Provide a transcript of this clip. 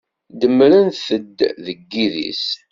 Demmrent-d deg yidis.